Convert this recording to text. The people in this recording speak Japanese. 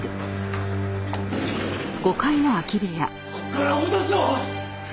ここから落とすぞ！